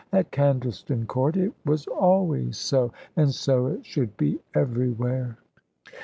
At Candleston Court it was always so; and so it should be everywhere.